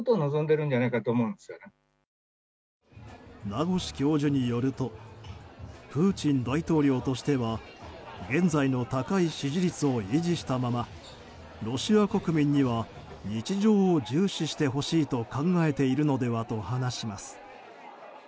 名越教授によるとプーチン大統領としては現在の高い支持率を維持したままロシア国民には日常を重視してほしいと考えているのではと話します。